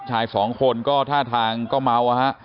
ชายสองคนก็ท่าทางก็เมาอะฮะ